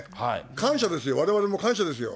感謝ですよ、われわれも感謝ですよ。